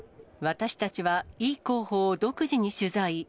私たちは、イ候補を独自に取材。